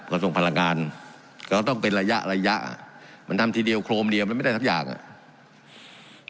ทรงพลังงานก็ต้องเป็นระยะระยะมันทำทีเดียวโครมเดียวมันไม่ได้สักอย่างอ่ะ